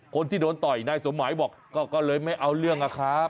คนที่โดนต่อยนายสมหมายบอกก็เลยไม่เอาเรื่องอะครับ